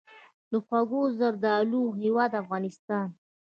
د خوږو زردالو هیواد افغانستان.